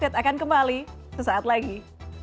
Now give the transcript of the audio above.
terima kasih selamat tinggal